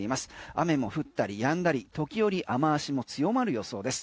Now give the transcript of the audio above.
雨も降ったりやんだり時折、雨脚も強まる予想です。